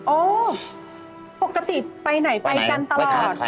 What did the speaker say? โอ้ปกติไปไหนไปกันตลอด